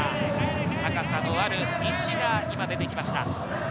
高さのある西が今、出てきました。